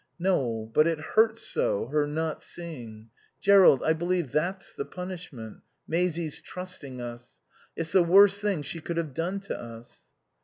"No, but it hurts so, her not seeing.... Jerrold, I believe that's the punishment Maisie's trusting us. It's the worst thing she could have done to us."